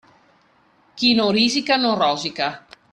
Chi non risica non rosica.